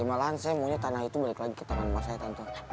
ya malahan saya maunya tanah itu balik lagi ke teman mas saya tante